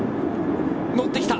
乗ってきた！